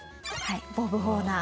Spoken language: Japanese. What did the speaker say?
ボブ・ホーナー。